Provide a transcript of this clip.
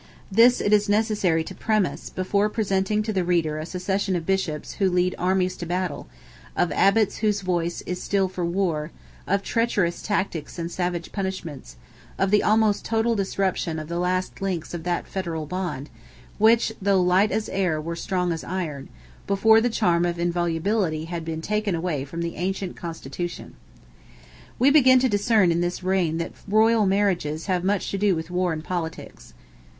This, it is necessary to premise, before presenting to the reader a succession of Bishops who lead armies to battle, of Abbots whose voice is still for war, of treacherous tactics and savage punishments; of the almost total disruption of the last links of that federal bond, which, "though light as air were strong as iron," before the charm of inviolability had been taken away from the ancient constitution. We begin to discern in this reign that royal marriages have much to do with war and politics.